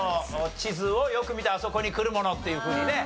地図をよく見てあそこにくるものっていうふうにね。